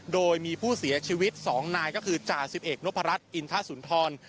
โดยมีผู้เสียชีวิต๒นายก็คือจ่าสิบเอกนพรัชอินทสุนทร